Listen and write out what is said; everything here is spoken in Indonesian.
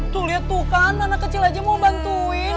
tuh lihat tuh kan anak kecil aja mau bantuin